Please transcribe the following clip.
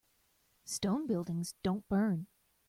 Stone buildings don't burn.